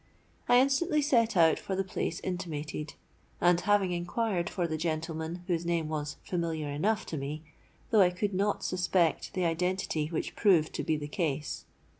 I instantly set out for the place intimated; and, having inquired for the gentleman, whose name was familiar enough to me, though I could not suspect the identity which proved to be the case.